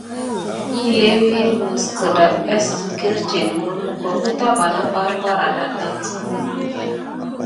Léwi məs kədaɗɗa sit kirtine mulmuko keta bana bar adaɗɗaŋ di.